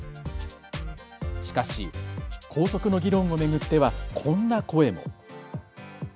しかし、校則の議論を巡ってはこんな声も。